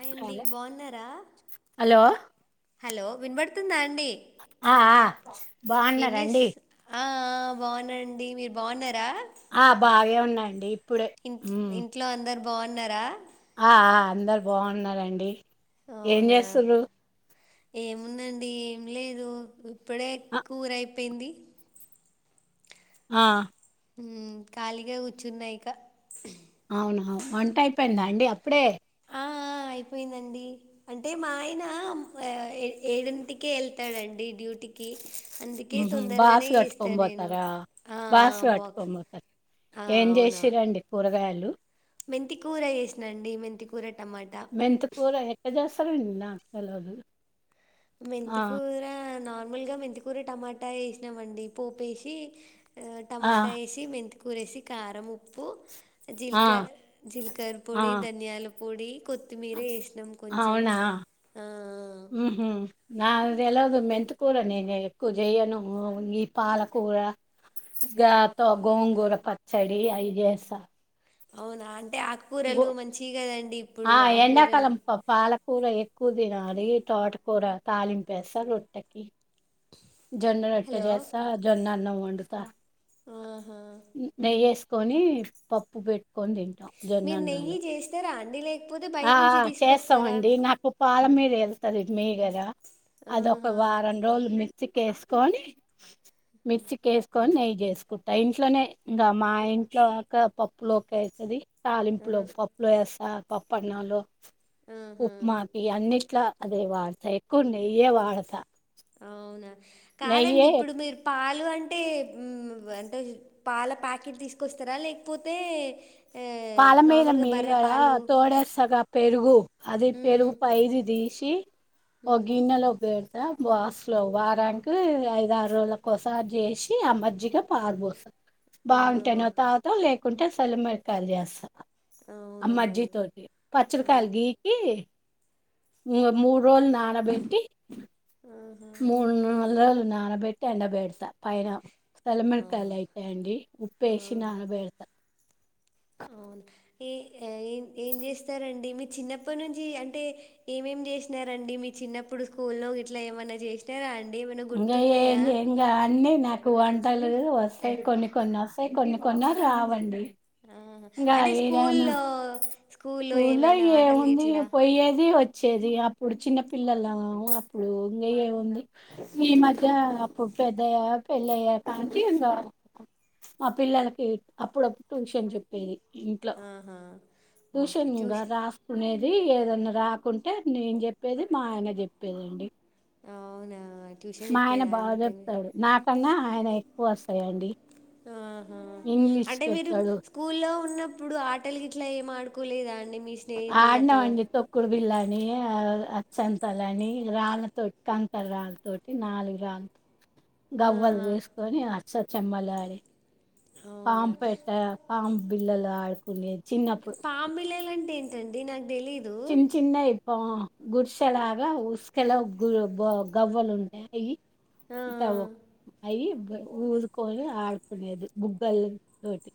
అయండి hello బాగున్నారా hello hello విన్పడుతుందా ఆ ఆ ఏం చే బాగున్నారండి ఆ బాగునండి మీరు బాగున్నారా ఆ బాగాే ఉన్నాయండి ఇంట్ ఇంట్లో అందరు బాగున్నారా బాగున్నారంండి ఏం అవునా చేస్తారు ఏముందండి ఏం లేదు ఇప్పుడే అ కూర అయిపోయింది ఆ ఖాళీగా కూర్చున్నాయిక అవునా వంట అయిపోయిందా అండి అప్పుడే ఆ అయిపోయిందండి అంటే మా ఆయన ఏడింటికే వెళ్తాడుడి డ్యూటీ క ఉ బాస్వి అట్కొ పోతారా ఆ బాస్వి అట్కొ బాక్స్ పోతార ఏం చేసిరండి కూరగాయలు మెంతికూర వేసినాండి మెంతికూర మెంతుకూర ఎట్ట చేస్తరండి నాకు తెల్వదు మెంతికూర నార్మల్గా మెంతికూర టమాటా వేసినమండి పోపేసి ఆ టమాటా వేసి మెంతికూర వేసి కారం ఉప్పు ఆ జీలక జీలకర ఆ పొడి ధనియాల పొడి కొత్తిమీర వేసినాం కొంచెం అవునా ఉహు నాకు తెల్వదు మెంతుకూర నేను ఎక్కువ చెయ్యను ఈ పాలకూర గా తో గోంగూర పచ్చడి అయి చేస్తా అవునా అంటే గో ఆకుకూరలు మంచియి కదండి ఇప్పుడు ఆకుకూరలు కూర ఎక్కువ తినాలి తోటకోర తాలింపేస్తా రొట్టెకి జొన్న రోట్ట హలో చేస్తా జొన్నాన్నం వండుత ఆ నెయ్యేసుకొని పప్పు పెట్టుకొని తింటాం మీరు నెయ్యి జోన్నన్నంలో చేస్తారా అండి లేకపోతే ఆ బయట నుంచి ఆ తీసుకొస్తారా చేస్తామండి నాకు పాల మీద వెళ్తది మీగడ అదొక ఆహా వారం రోజులు మిక్సికేసుకొని మిక్సికి వేసుకొని నెయ్యి చేసుకుంటా ఇంట్లోనే ఇంకా మా ఇంట్లో పప్పులోకి అయితది ఆ తాలింపులో పప్పులో వేస్తా పప్పన్నంలో ఆహా ఉక్మకి అన్నిట్లా అదే వాడత ఎక్కువ నెయ్యే వాడత అవునా కాదండి ఇప్పుడు మీరు పాలు పాలు అంటే అంటే పాల ప్యాకెట్ తీసుకొస్తారా లేకపోతే ఆ, పాలమీద నార్మల్గా బర్రె మీగడ పాలు తోడేస్తగా పెరుగు అది మ్మ్, పెరుగు పైది తీసి ఓ మ్మ్. గిన్నెలో పెడతా త బాక్స్లో వారానికి ఐదు ఆరు రోజుల కోసారి చేసి ఆ మజ్జిగ పారబోస్త ఆహా, బావుంటేనో తాగుతం లేకుంటే చల్ల మిరపకాయలు చేస్తం ఆ అవునా మజ్జిగా తోటి ఆ, పచ్చడికాయలు గీకి మూడు రోజులు నాణబెట్టి ఆహా, మూడు నాలు రో నానబెట్టి ఎండబేడత పైన చల్ల ఆ, మిరపకాయలు అయితే అండి ఉప్పేసి నానబెడ్తా అవునా ఈ ఏం చేస్తారండి మీ చిన్నప్పటి నుంచి అంటే ఏమేం చేసినారండి మీ చి న్నప్పుడు స్కూల్లో గిట్లా ఏమన్న చేసినారా అండి ఏమైనా ఇంకా ఇంకా ఏం గుర్తున్నాయా ఇంగ అన్నీ నాకు కు వంటలు వస్తాయి కొన్ని కొన్ని వస్తాయి కొన్ని కొన్ని రావండి ఇంగా అంటే ఏడాను స్కూల్లో స్కూల్లో ఏమైనా ఆటలు గిట్లా చేది అప్పుడు చిన్న పిల్లలం అప్పుడు ఇంగ ఏముంది ఈ మధ్య అప్పుడు పెద్దగా పెళ్ళి అయ్యక ఆంటీ ఉందా మా పిల్లలకి అప్పుడప్పుడు ట్యూషన్ చెప్పు ఎది ఇంట్లో ఆహా ఓకే ట్యూషన్గా ట్యూషన్ రాసుకునేది ఏ ఏదన్నా రాకుంటే నేను చెప్పేది మా ఆయన చెప్పేదండి అవునా ట్యూషన్ మా ఆయన చెప్పేదా బాగా అండితే మీరు చెప్తాడు. నాకన్నా ఆయన ఎ వస్తయండి ఆహా అంటే మీరు చెప్తాడు స్కూల్లో ఉన్న ఎప్పుడు ఆటలు గిట్లా ఏం ఆడుకోలేదా అండి మీ స్నేహితులతో అడినమండి తొక్కుడు బిల్లా అని ఆ సంతలని రాళ్తోటి కంకర రాళ్ళతోటి నాలుగు రాళ్తో ఆ గవ్వలు తీసుకొని అష్టచెమ్మలు ఆడి పాం అవునా పెట్ట పాం బిల్లలు ఆడుకునేది చిన్నప్పుడు పాంబిల్లలు అంటే ఏంటండి నాకు తెలీదు చిన్న చిన్నవి పా గుడిసెలాగా ఉసుకేలో గు గవ్వలు ఉంటాయి ఇవి ఆ ఇత్తవ అయి ఊదుకొని ఆడుకునేది బుగ్గలు తోటి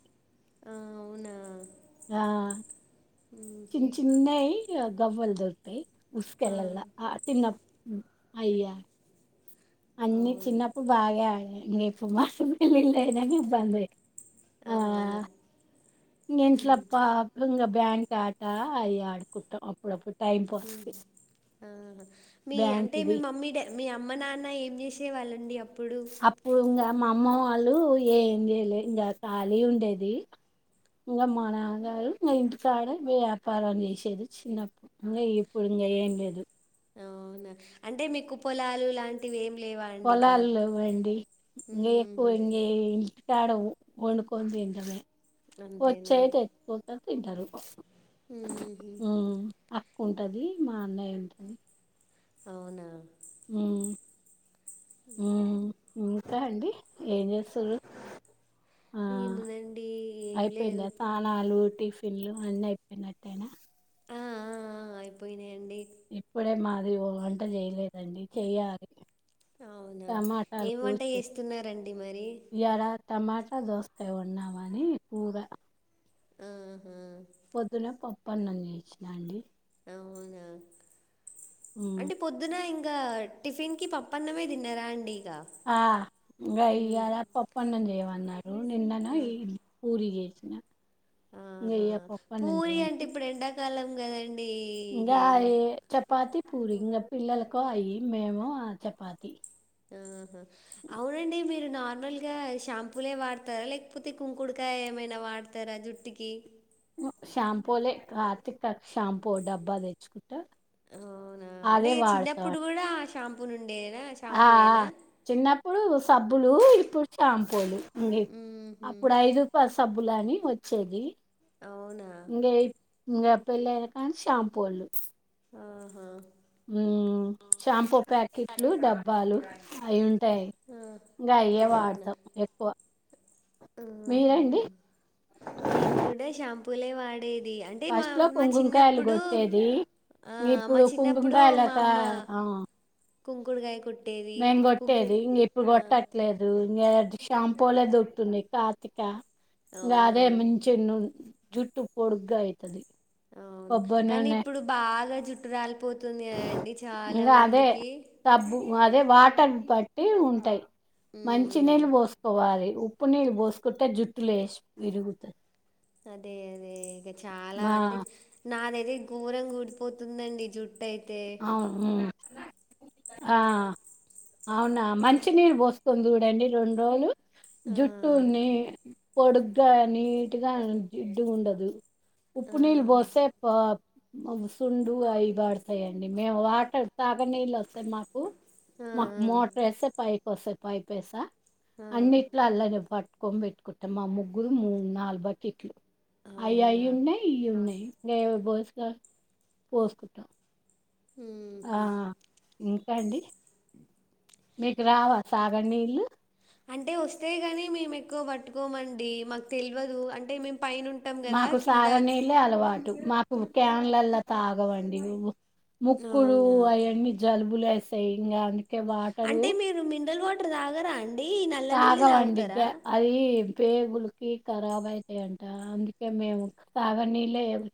ఆ అవునా ఆ చిన్న చిన్నవి గవ్వల్ దొరితాయి. ఉసికలల్ల ఆ తిన్నాం అయ్య అన్నీ అవునా చిన్నప్పుడు బాగే ఆడేది మీకు మస్త్ వుంది నీళ్ళు లేవని బంద్ అయింది. ఆ అవునా ఇంగ ఇంట్ల పా ఇంగ బ్యాం ఆటా అయ్యే ఆడుకుట్టాం టై పా కి ఆా మీ అంటే మీ మమ్మీ మీ అమ్మ నాన్న ఏం చేసే వాళ్ళు అప్పుడు ఇంకా మా అమ్మ వాళ్ళు ఏంలే ఇంకా ఖాళీ ఉండేది ఇగ మా నాన్నగారు మా ఇంటికా గా వ్యాపారం చేసేది చిన్నప్పుడు ఇంకా ఎప్పుడూ ఇగ ఏం లేదు అవునా అంటే మీకు పొలాలు లాంటివి ఏం లేవా అండి ఇక? పొలాలు లేవ్వండి ఇగ ఎక్కువ హుహు. ఇ తేడం వండుకొని తింటమే అంతేనా? వచ్చే తె ఎత్చ్చపోతుంది తింటారు ఉహూ ఉంటది మా అన్నయ్య ఉంటది అవునా మ్ మ్ మ్ ా అండి ఏం చేస్తూర్రు ఆ ఏముందండి ఏం అయిపోయింద లేదు. తానలు టీ ఫిన్లు అన్ని అయిపోయినట్టేనా ఆ ఆ ఆ ఆయిపోయిన ఇప్పుడే మాది ఓ వంట చేయలేదండి చెయ్యాలి అవునా టమాటాలు ఏం వంట కోసి పెట్ చేస్తున్నారండి మరి ఇయాల టమాటా దోస్కాయ్ ఉన్నామని కూర ఉహు అన్నం చేచ్చినా అండి అవునా హ్మ్. అంటే పొద్దున ఇం ఇగ టిఫిన్ కి పప్పన్నమే తిన్నారా అండి ఇక? ఆ ఇంగ హ్మ్. ఈయల పప్పన్నం చేయమన్నారు నిన్నను ఆ! పూరి చే ఆహా ఇగయల పప్పన్నం పూరి అంటే చేయంటే ఇప్పుడు ఎండాకాలం కదండి ఇంగా ఏం య చపాతి పూరి ఇంకా పిల్లలకో అయి మేము ఆ చపాతి ఆహా అవునండి మీరు నార్మల్ గా షాంపూలే వాడతారా లేకపోతే కుంకుడుకాయ ఏమైనా వాడతారా జుట్టుకి షాంపూలే కార్తిక షాంపూ డబ్బా తెచ్చుకు అవునా అంటే వాడతాం చిన్నప్పుడు కూడా ఆ షాంపూ నుం ఆ చిన్నప్పుడు సబ్బులు ఇప్పుడు షాంపూలు అే ఊహు అప్పుడు ఐదుపాల్ సబ్బులని వచ్చేది అవునా ఇగ ఇ పెళ్ళాయినక షాంపూలు ఆహా ఉమ్ షాంపూ ప్యాకెట్లు డబ్బాలు అవి ఉంటా టాయి ఇంకా ఆ అయ్యే వాడతాం ఎక్కువ ఆహ్ మీరండి మేము కూడా షాంపూలే వాడేది అంటే మా ఫస్ట్ లో మా కుంగుంకాయలు చిన్నప్పుడు కొట్టేది ఆ ఇ మా ఇప్పుడు చిన్నప్పుడు కుంకుకాయలాకా ఆ కుంకుడుగాయ కొట్టి మేము కొట్టేది ఇంక ఇప్పుడు కొట్టట్లేదు ఇ షాంపూలే దొరుకుతున్నాయి కార్తిక ఇంగా అదే అవునవును మంచి జుట్టు పొడుగ్గా అయితది ఆ కొబ్బరి కానీ నూనె ఇప్పుడు బాగా జుట్టు రాలిపోతుంది అండి చాలా మందికి అబ్బు అదే వాటర్ బట్టి ఉంటాయి ఉమ్, మంచినీళ్ళు పోసుకోవాలి ఉప్పు నీరు పోసుకుంటే జుట్టులేేష్ విరుగుతది అదే అదే ఇగ చాలా మా అంటే నాదైతే ఘోరంగా ఉడిపోతుందండి జు ట అయితే అవును ఉమ్. ఆ అవునా మంచినీరు పోసుకోని చూడండి రెండు రోజులు ఆ, జుట్టుని పొడుగ్గా నీట్గా జిడ్డు ఉండదు ఆ, ఉప్పునీళ్లు పొసే సుండ్రు అయిబడు తయండి మేము వాటర్ తాగనీళ్ళు వస్తే మాకు ఆ, మాకు మోటర్ వేస్తే పైప్ కోసేపు పైప్ వేస్తా ఆ, అన్నిట్లో అల్లనే పట్టు కొమబెట్టుకుంటాం మా ముగ్గురు మూడు నాలుగు బకెట్లు ఆ, అవి అవి అవునా ఉన్నాయి ఇవి ఉన్నాయి ఇంగ ఏమి బోస్గా పోసుకుంటాం ఆ హుహు. ఇంకా అండి మీకు రావా సాగనీళ్లు అంటే వస్తే గాని మేము ఎక్కువ పట్టుకోమండి మాకు తెల్వదు అంటే మేము పైన ఉంటాం గదా మాకు కింద సాగనీళ్లు అలవాటు మాకు క్యాన్లల్లా తాగమండి నువ్వు ముక్కుడు అవునా అవన్నీ జలుబులు వేస్తాయి ఇంగ అన్ని అంటే మీరు మినరల్ వాటర్ తాగరా అం తగమండి గ్య అది పేగులకి ఖరాబ్ అయితాయంట అందుకే మేము సాగనీళ్ళే అవి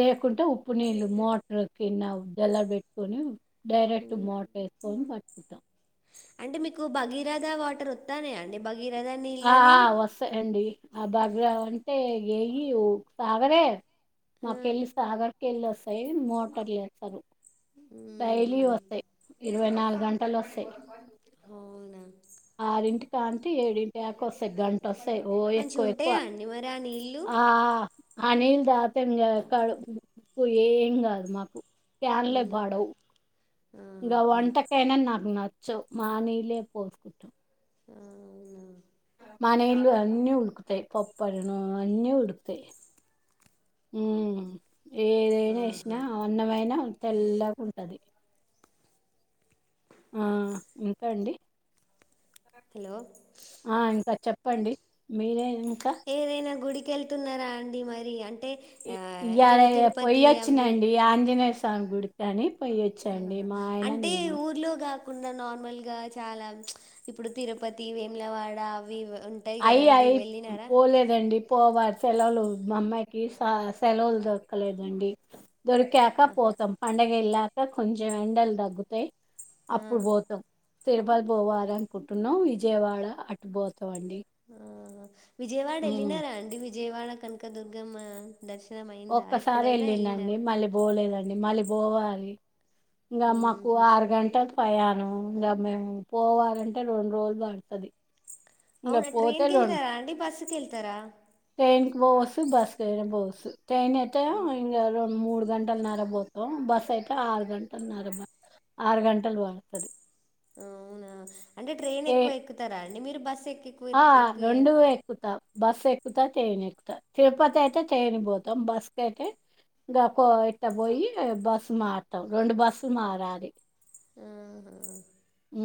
లేకుంటే ఉప్పు నీళ్ళు మోటర్ కింద జలా పెట్టుకొని డైరెక్ట్ మోటర్ వెస్కొని పట్టుకుంటాం అంటే మీకు భగీరథ వాటర్ వాతనాయండి భ ఆ ఆ వస్తాయండి ఆ బగ్రా అంటే ఎయి ఓ సాగరే ఆ! మాకెళ్ళి సాగర్కి వెళ్ళి వస్తాయి మోటార్లు వేస్తరు హుహు. డైలీ వస్తాయి ఇరవై నాలుగు గంటలు వస్తాయి అవునా ఆరింటి కాంటే ఏడింటియకు వస్తాయ్ గం ట వస్తాయ్ ఓ మంచిగా ఎక్కువ ఎక్కువ ఉంటాయా అండి మరి ఆ నీళ్ళు? ఆ ఆ నీళ్లు తాగుతే ఇంగ కడుపు ఏం గాదు మాకు క్యాన్లే హ్మ్. పడవు ఇంకా ఆహా! వంటకైనా నాకు న చ్చవ్ మానీళ్ళే పోసుకుంటాం ఆ అవును మా నీళ్లు అన్నీ ఉడుకుతాయ్ పప్పడను అన్నీ ఉడుకుతాయ్ హ్మ్ ఏదైనా ఆహా! ఎసినా అన్నమైన తెల్లగఉంటది ఆ ఇంకా అండి హలో ఆ ఇంకా చెప్పండి మీరే ఇంకా ఏదైనా గుడికి వెళ్తున్నారా అండి మరి అం ఇ యాడ అవి పొయ్యొచ్చినండి ఆంజనేయ స్వామి గుడికి అని పోయ్యొచ్చండి మా ఆయన నేను కున్న నార్మల్ గా చాలా ఇప్పుడు తిరుపతి వేములవాడ అవి ఉంటాయి అయ్ కదండి అయి వెళ్ళినారా పోలేదండి పోవారు సెలవులు మా అమ్మాయికి సెలవులు దొరకలేదండి దొరికాక ఆ పోతాం పండగ వెళ్ళాక కొంచం ఎండలు తగ్గుతాయి ఆ అప్పుడు పోతాం తిరుపతి పోవాల అనుకుంటున్నాం విజయవాడ అటు పోతాం అండి ఆ విజయవాడ వెళ్ళినారా అండి విజయవాడ కనకదుర్గమ్మ దర్శనం అయిందా ఒక్కసారి ఎప్పుడైనా వెళ్ళినండి వెళ్ళినారు మళ్ళీ పోలేదండి మళ్ళీ పోవాలి ఇంకా మాకు మ్మ్ ఆరు గంటలు పయానం ఇంకా మేము పోవాలంటే రెండు రోజులు పడుతుది అవును ట్రైన్కిెళ్తారా అండి బస్కిెళ్తారా బోసు బాస్కయి బోసు తన్ అతే ఇం రెండు మూడు గంటలు నర పోతాం బస్ అయితే ఆరు గంటలన్నర ఆరు గంటలు పడుతుంది అవునా అంటే ట్రైన్ ఎక్కువ ఎక్కుతారా అండి మీరు బస్సు ఎక్కు ఆ రెండ ఎక్కుతావు బస్సు ఎక్కుతా ట్రన్ ఎక్కుతా తిరుపతి అయితే ట్రైన్ పోతాం బస్ క అయితే ఇంకా కో ఇట్ట పోయి బస్సు మారతాం రెండు బస్సులు మారాలి ఆా ఉ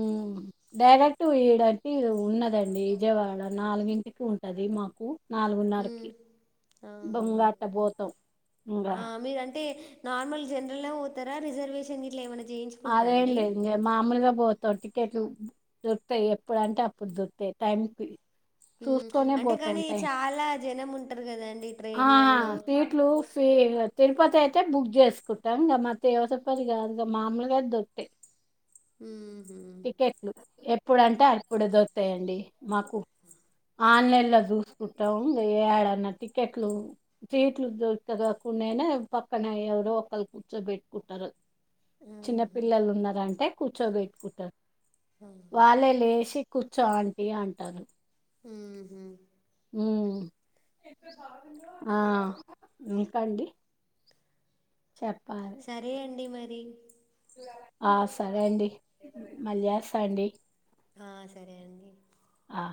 డైరెక్ట్ వడంటి ఉన్నదండి విజయవాడ నాలుగింటికి ఉంటది అరే మాకు ఉమ్ నాలుగున్నరకి ఆహా బంగాట పోతాం ఇంగా ఆ మీరంటే నార్మల్ జనరల్ పోతారా రిజర్వేషన్ ఇట్ ఏమకి అదే లే ఇం మామూలుగా పోతు టికెట్లు దొరుకుతాయి ఎప్పుడు అంటే అప్పుడు దొరుకుతాయి టైంకి ఉమ్ చూసుకనే అంటే పోతూ కానీ ఉంటాయి చాలా జనం ఉంటారు కదండి ఆ ట్రైన్లలో సీట్లు సహత్ తిరుపతి అయితే బుక్ చేసుకుంటాం ఇంక మ తేవసపతి కాదు ఇ మామూలుగా దొట్టి అమ్ ఇప్పుడంటే అప్పుడ దొతాయండి మాకు ఆన్లైన్ లో చూసుకుంటాం ఏడన్నా టికెట్లు సీట్లు దగా ేనే పక్కన ఎవరు ఒకళ్రు కూర్చోబెట్టుకుంటారు ఆహా చిన్నపిిల్లలు ఉన్నారంటే కూర్చోగెట్టుకుంటారు వాళ్ళే లేసి కూర్చో ఆంటీ అంటారు ఆ ఆ ఇంకా అండి చెప్ప సరే అండి మరి ఆ సరే అండి మళ్యాస అండి ఆ సరే అండి ఆ